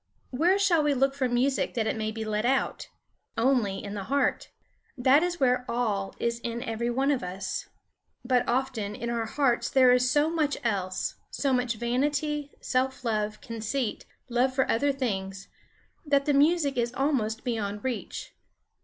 Where shall we look for music that it may be led out? Only in the heart. That is where all is in every one of us. But often in our hearts there is so much else, so much vanity, self love, conceit, love for other things, that the music is almost beyond reach.